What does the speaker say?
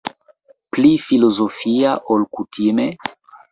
Pli filozofia ol kutime?